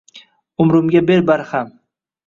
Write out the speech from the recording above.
Umrimga ber barham